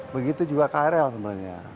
begitu juga krl sebenarnya